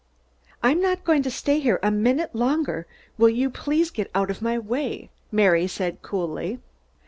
"I'm not going to stay here a minute longer. Will you please get out of my way?" Mary said coldly.